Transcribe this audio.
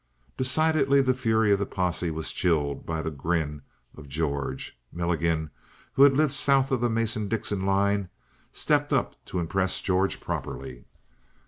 Decidedly the fury of the posse was chilled by the grin of George. Milligan, who had lived south of the Mason Dixon line, stepped up to impress George properly.